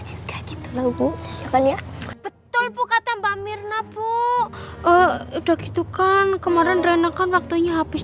juga gitu lho bu betul betul bukata mbak mirna bu udah gitu kan kemarin renekan waktunya habis